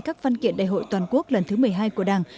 các văn kiện đại hội toàn quốc lần thứ một mươi hai của đảng